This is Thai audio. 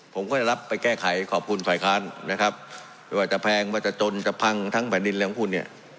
ผมก็จะรับไปแก้ไขขอบคุณฝ่ายค้านนะครับไม่ว่าจะแพงว่าจะจนจะพังทั้งแผ่นดินอะไรของคุณเนี่ย